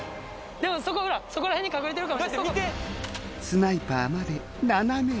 でもそこほらそこら辺に隠れてるかも。